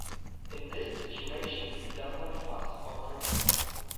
In this situation he does not "fuss" or cry.